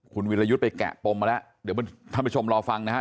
คุณวิรยุทธ์ไปแกะปมมาแล้วเดี๋ยวท่านผู้ชมรอฟังนะครับ